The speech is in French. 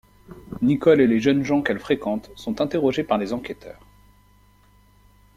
Nicole et les jeunes gens qu'elle fréquente sont interrogés par les enquêteurs...